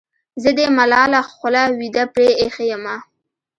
زه دې ملاله خوله وېده پرې اېښې یمه.